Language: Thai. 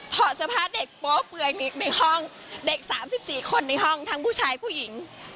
ถอดเสื้อผ้าเด็กโป๊เปลือยนิดในห้องเด็ก๓๔คนในห้องทั้งผู้ชายผู้หญิง